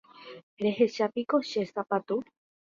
Rehechápiko che sapatu.